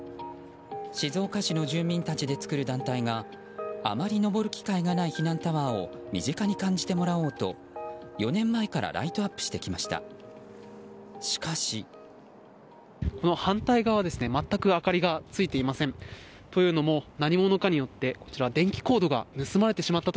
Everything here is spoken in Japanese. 静岡市の住民たちで作る団体があまり登る機会がない避難タワーを身近に感じてもらおうと４年前からライトアップしてきました。